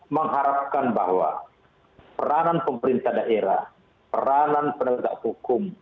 mengharapkan bahwa peranan pemerintah daerah peranan penegak hukum